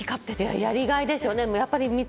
やりがいでしょうね。